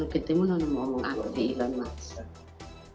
ketemu nono mau ngomong apa sama elon musk